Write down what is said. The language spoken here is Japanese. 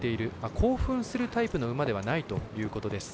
興奮するタイプの馬ではないということです。